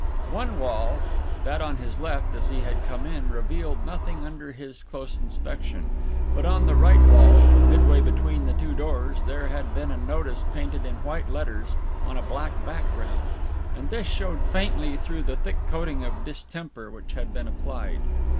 One wall, that on his left as he had come in, revealed nothing under his close inspection, but on the right wall, midway between the two doors, there had been a notice painted in white letters on a black background, and this showed faintly through the thick coating of distemper which had been applied.